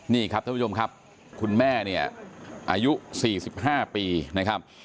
นี่ครับท่านผู้ชมครับคุณแม่เนี่ยอายุ๔๕ปีนะครับ